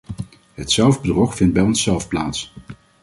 Het zelfbedrog vindt bij onszelf plaats.